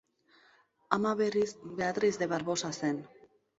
Ama, berriz, Beatriz de Barbosa zen.